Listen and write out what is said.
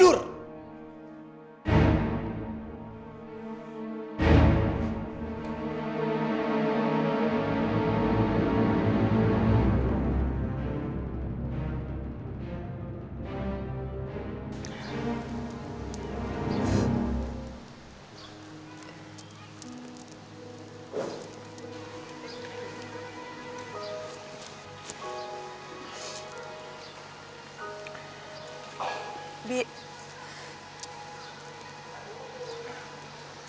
kanda biar aku datang